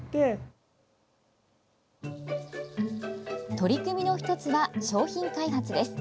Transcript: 取り組みの１つは商品開発です。